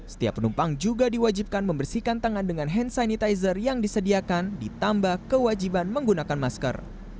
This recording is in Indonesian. setiap penumpang juga diwajibkan membersihkan tangan dengan hand sanitizer yang disediakan ditambah kewajiban menggunakan masker